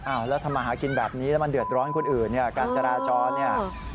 แล้วทำมาหากินแบบนี้แล้วมันเดือดร้อนคนอื่นเนี่ยการจราจรเนี่ย